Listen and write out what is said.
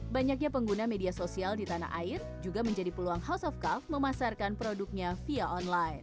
banyaknya pengguna media sosial di tanah air juga menjadi peluang house of cuff memasarkan produknya via online